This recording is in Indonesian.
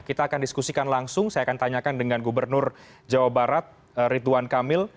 kita akan diskusikan langsung saya akan tanyakan dengan gubernur jawa barat ridwan kamil